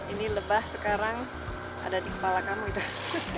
ini kayaknya kita sudah